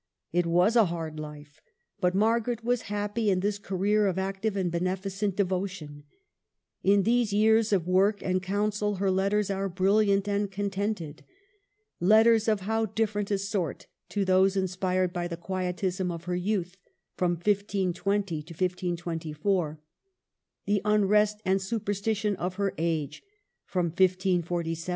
It was a hard life ; but Margaret was happy in this career of active and beneficent devotion. In these years of work and counsel her letters are brilliant and contented, — letters of how differ ent a sort to those inspired by the quietism of her youth (i 520 1 524), the unrest and superstition of her age (i 547 1 548).